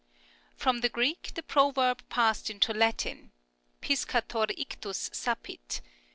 From Greek the proverb passed into Latin, " Piscator ictus sapit."